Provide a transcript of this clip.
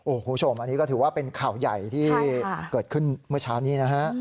คุณผู้ชมอันนี้ก็ถือว่าเป็นข่าวใหญ่ที่เกิดขึ้นเมื่อเช้านี้นะฮะ